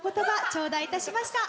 ちょうだいいたしました。